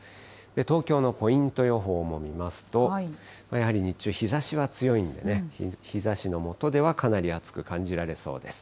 東京のポイント予報も見ますと、やはり日中、日ざしは強いんでね、日ざしの下ではかなり暑く感じられそうです。